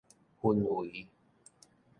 氛圍